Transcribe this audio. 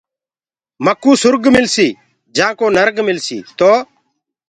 مڪوٚ سُرگ ملسيٚ جآنٚ ڪو نرگ ملسيٚ۔ تو